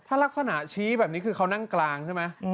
ถ้าลักษณะชี้แบบนี้คือเขานั่งกลางใช่ไหม